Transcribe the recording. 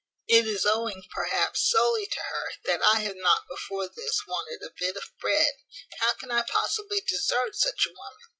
It is owing, perhaps, solely to her, that I have not, before this, wanted a bit of bread. How can I possibly desert such a woman?